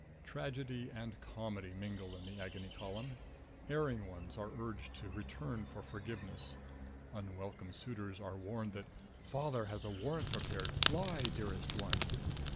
Tragedy and comedy mingle in the Agony Column. Erring ones are urged to return for forgiveness; unwelcome suitors are warned that "Father has warrant prepared; fly, Dearest One!"